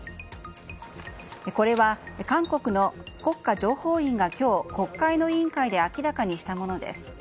これは韓国の国家情報院が今日、国会の委員会で明らかにしたものです。